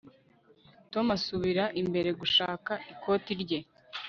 tom asubira imbere gushaka ikoti rye